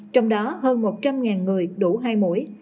trong đó hơn một trăm linh người đủ hai mũi